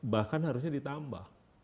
bahkan harusnya ditambah